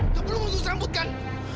aku belum ngusus rambut kan